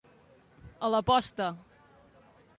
A la posta.